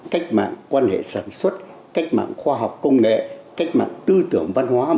cách mạng quan hệ sản xuất cách mạng khoa học công nghệ cách mạng tư tưởng văn hóa